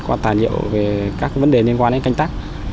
qua tài liệu về các vấn đề liên quan đến canh tắc